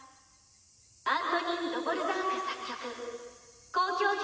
アントニン・ドヴォルザーク作曲交響曲